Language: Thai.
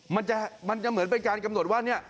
มันจะเหมือนเป็นการกำหนดว่าเนี่ย